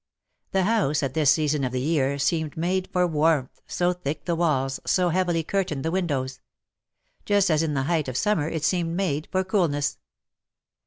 The house at this season of the year seemed made for warmth, so thick the walls, so heavily cur tained the windows; just as in the height o£ summer it seemed made for coolness.